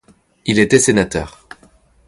Il était sénateur.